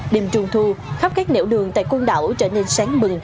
đêm trung thu khắp các nẻo đường tại quân đảo trở nên sáng mừng